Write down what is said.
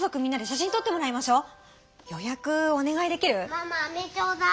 ママあめちょうだい。